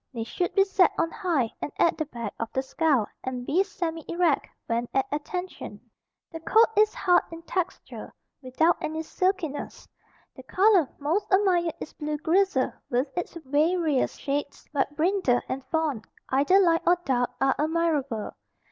They should be set on high and at the back of the skull and be semi erect when at attention. The coat is hard in texture, without any silkiness. The color most admired is blue grizzle with its various shades but brindle and fawn, either light or dark are admirable.